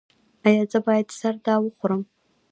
ایا زه باید سردا وخورم؟